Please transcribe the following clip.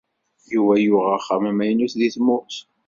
Yuba yuɣ axxam amaynut deg tmurt